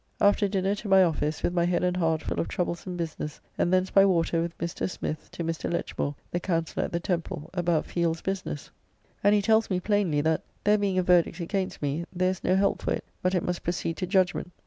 After dinner to my office with my head and heart full of troublesome business, and thence by water with Mr. Smith, to Mr. Lechmore, the Counsellor at the Temple, about Field's business; and he tells me plainly that, there being a verdict against me, there is no help for it, but it must proceed to judgment.